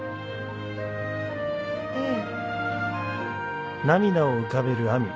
うん。